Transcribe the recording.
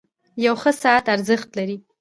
• یو ښه ساعت ارزښت لري.